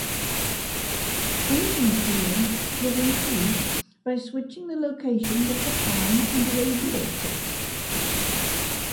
Engine cooling was improved by switching the locations of the fan and radiator.